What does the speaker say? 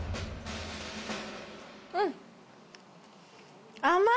うん